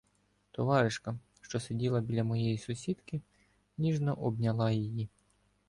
Товаришка, що сиділа біля моєї сусідки, ніжно обняла її.